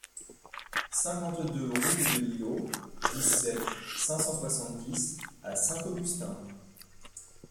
cinquante-deux route de l'Ilot, dix-sept, cinq cent soixante-dix à Saint-Augustin